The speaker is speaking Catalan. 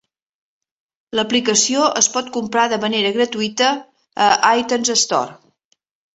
L'aplicació es pot comprar de manera gratuïta a iTunes Store.